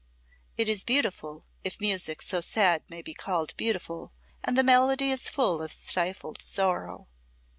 It is beautiful, if music so sad may be called beautiful, and the melody is full of stifled sorrow.